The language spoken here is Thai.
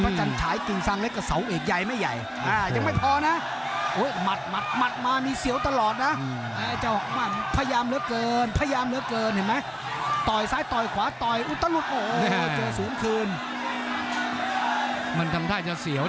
แฟนที่เชียร์ทางด้านกลิ่นตรงคำนี้